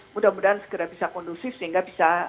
mudah mudahan segera bisa kondusif sehingga bisa